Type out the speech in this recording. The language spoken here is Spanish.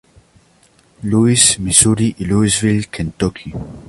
Louis, Missouri y Louisville, Kentucky.